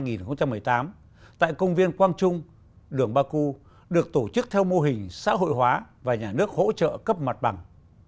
ngày một một ba hai nghìn một mươi tám tại công viên quang trung đường ba cư được tổ chức theo mô hình xã hội hóa và nhà nước hỗ trợ cấp mặt bằng